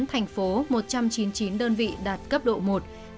tp một trăm chín mươi chín đơn vị đạt cấp độ một